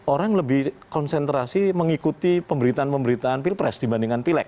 orang lebih konsentrasi mengikuti pemberitaan pemberitaan pilpres dibandingkan pilek